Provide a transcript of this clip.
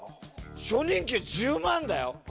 初任給１０万だよ。